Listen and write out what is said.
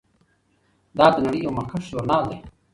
دا د نړۍ یو مخکښ ژورنال دی.